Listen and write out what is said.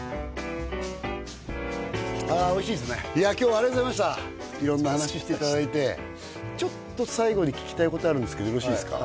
あおいしいっすね今日はありがとうございました色んな話していただいてちょっと最後に聞きたいことあるんですけどよろしいですか？